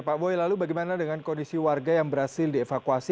pak boy lalu bagaimana dengan kondisi warga yang berhasil dievakuasi